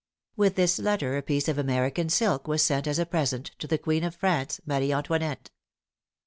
With this letter a piece of American silk was sent as a present to the queen of France, Marie Antoinette.